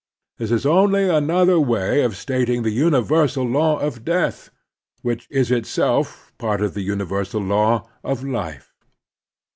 This is only another way of stating the tmiversal law of death, which is itself part of the tmiversal law of life.